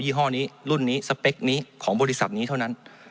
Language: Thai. ี่ห้อนี้รุ่นนี้สเปคนี้ของบริษัทนี้เท่านั้น